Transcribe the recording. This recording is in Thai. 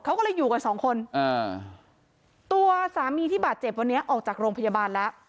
เขาก็เลยอยู่กันสองคนอ่าตัวสามีที่บาดเจ็บวันนี้ออกจากโรงพยาบาลแล้ว